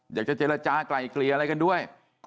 อยากจะเจรจากลายเกลี่ยอะไรกันด้วย